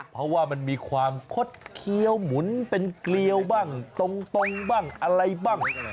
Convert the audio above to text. เพราะว่ามันมีความคดเคี้ยวหมุนเป็นเกลียวบ้างตรงบ้างอะไรบ้าง